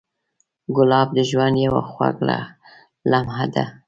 ګلاب د ژوند یو خوږ لمحه ده.